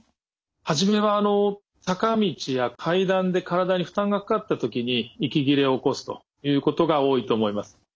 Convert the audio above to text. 初めは坂道や階段で体に負担がかかった時に息切れを起こすということが多いと思います。